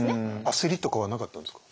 焦りとかはなかったんですか？